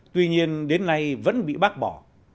tuy nhiên đến nay vẫn bị bác bỏ